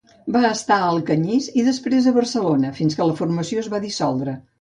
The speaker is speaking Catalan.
Va estar a Alcanyís i, després, a Barcelona, fins que la formació es va dissoldre.